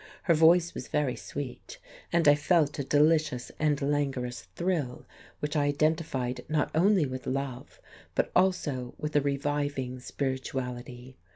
Her voice was very sweet, and I felt a delicious and languorous thrill which I identified not only with love, but also with a reviving spirituality.